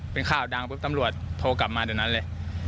เป็นข่าวดังต้มหลวนโทรกลับมาเดี๋ยวนั้นละ